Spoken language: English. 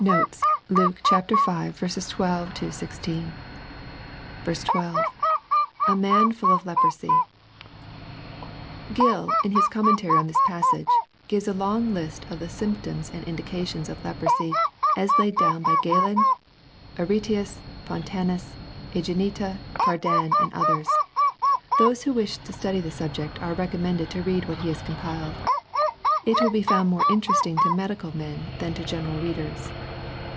Notes. Luke V. 12—16. 12. — [A man fuM of leprosy.] Gill, in his commentary on this pas sage, gives a long list of the symptoms and indications of leprosy. as laid down by Galen, Aretaeus, Pontanus, ^gineta. Cardan, and others. Those who wisli to study the subject are recommended to read what he has compiled. It will be found more interesting to medical men than to general readers.